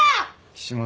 岸本。